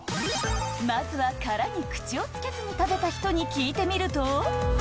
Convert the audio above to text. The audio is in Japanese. まずは殻に口をつけずに食べた人に聞いてみると。